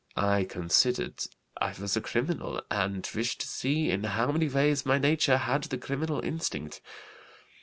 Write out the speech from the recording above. I considered I was a criminal and wished to see in how many ways my nature had the criminal instinct.